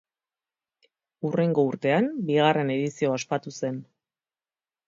Hurrengo urtean bigarren edizioa ospatu zen.